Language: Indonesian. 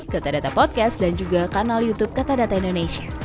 katadata podcast dan juga kanal youtube katadata indonesia